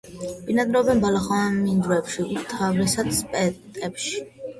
ბინადრობენ ბალახოვან მინდვრებში, უმთავრესად სტეპებში.